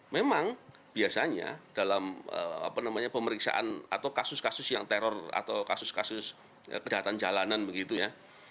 memang biasanya dalam pemeriksaan atau kasus kasus yang teror atau kasus kasus kejahatan jalanan begitu ya